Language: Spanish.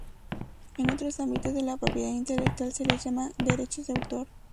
En otros ámbitos de la propiedad intelectual se les llama: 'Derechos de autor'.